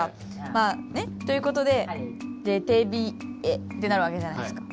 まあね。ということで「れてびｅ」ってなるわけじゃないですか。